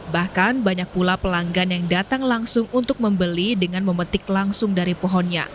bahkan banyak pula pelanggan yang datang langsung untuk membeli dengan memetik langsung dari pohonnya